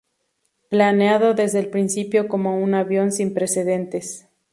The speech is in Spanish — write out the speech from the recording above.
Planeado desde el principio como un avión sin precedentes.